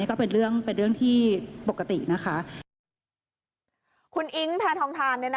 ก็เป็นเรื่องที่ปกติคุณอิงแถลงฮร์บ่าน